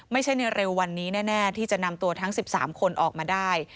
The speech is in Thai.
ในเร็ววันนี้แน่ที่จะนำตัวทั้ง๑๓คนออกมาได้